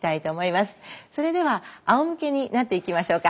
それではあおむけになっていきましょうか。